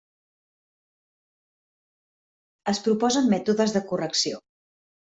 Es proposen mètodes de correcció.